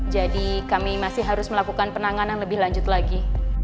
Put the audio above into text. kami masih harus melakukan penanganan lebih lanjut lagi